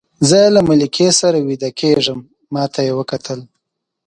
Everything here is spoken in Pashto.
زه له ملکې سره ویده کېږم، ما ته یې وکتل.